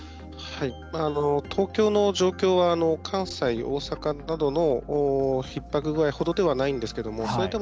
東京の状況は関西、大阪などのひっ迫具合ほどではないんですがそれでも、